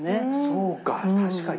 そうか。